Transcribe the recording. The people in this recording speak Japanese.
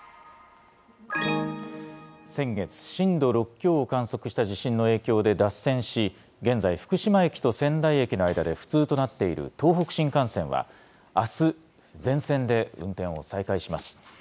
先月、震度６強を観測した地震の影響で脱線し、現在、福島駅と仙台駅の間で不通となっている東北新幹線は、あす、全線で運転を再開します。